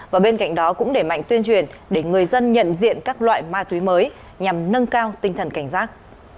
và bên cạnh đó cũng để mạnh tuyên truyền để người dân nhận diện các loại ma túy mới nhằm nâng cao tinh thần cảnh giác